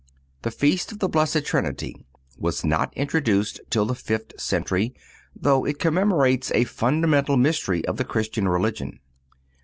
The Feast of the Blessed Trinity was not introduced till the fifth century, though it commemorates a fundamental mystery of the Christian religion.